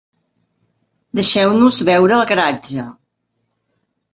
Deixeu-nos veure el garatge!